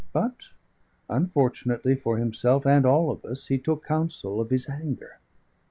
But unfortunately for himself and all of us, he took counsel of his anger.